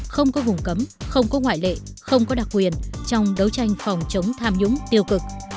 không có vùng cấm không có ngoại lệ không có đặc quyền trong đấu tranh phòng chống tham nhũng tiêu cực